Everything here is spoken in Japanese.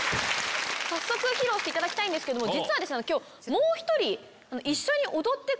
早速披露していただきたいんですけども実は今日もう１人。